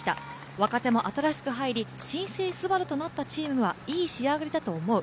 若手も新しく入り、新生ＳＵＢＡＲＵとなったチームはいい仕上がりだと思う。